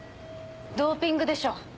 ドーピングでしょ。